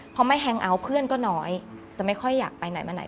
พอไม่แฮงเอาท์เพื่อนก็น้อยจะไม่ค่อยอยากไปไหนมาไหน